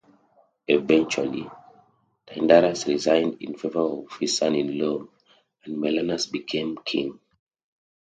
Eventually, Tyndareus resigned in favour of his son-in-law and Menelaus became king.